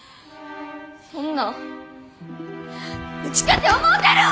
そんなんウチかて思うてるわ！